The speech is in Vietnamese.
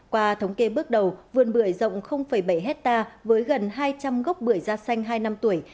qua thống kê bước đầu vườn bưởi rộng bảy hectare với gần hai trăm linh gốc bưởi da xanh hai năm tuổi